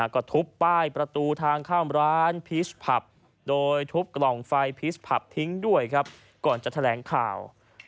ก็ทุบป้ายประตูทางข้ามร้านพีชผับโดยทุบกล่องไฟพีชผับทิ้งด้วยครับก่อนจะแถลงข่าว